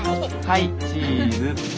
はいチーズ。